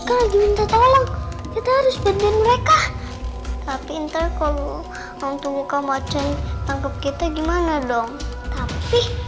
kita harus banding mereka tapi entar kalau untuk macam tangkap kita gimana dong tapi